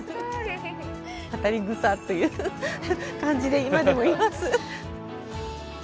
語りぐさという感じで今でもいます。